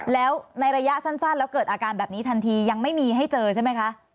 แล้วในระยะสั้นแล้วเกิดอาการแบบนี้ทันทียังไม่มีให้เจอใช่ไหมคะ